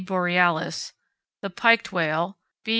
borealis_) Piked whale (_B.